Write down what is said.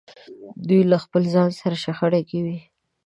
دوی له خپل ځان سره شخړه کې وي.